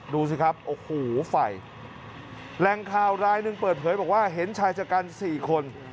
ดูสิครับโอ้โหไฟแรงข่าวรายหนึ่งเปิดเผยบอกว่าเห็นชายชะกัน๔คน